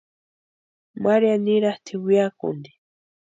María nirhatʼi weakuni.